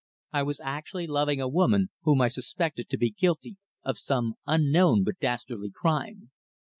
I was actually loving a woman whom I suspected to be guilty of some unknown but dastardly crime.